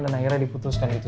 dan akhirnya diputuskan gitu